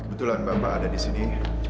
kebetulan bapak ada di sini